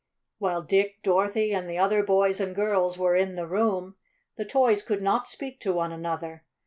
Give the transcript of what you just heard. While Dick, Dorothy and the other boys and girls were in the room, the toys could not speak to one another.